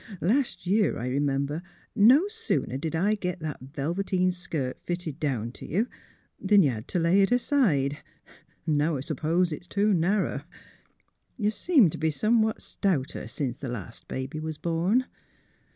Last year, I remember, no sooner did I git that velveteen skirt fitted down to you, than you had t' lay it aside, and now I s'pose it's too narrer. You seem t' be some stouter since the last baby was born."